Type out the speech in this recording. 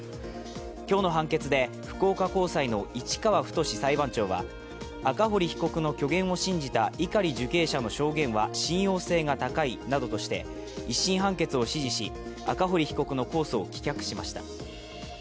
今日の判決で福岡高裁の市川太志裁判長は、赤堀被告の虚言を信じた碇受刑者の証言は信用性が高いなどとして一審判決を支持し赤堀被告の控訴を棄却しました。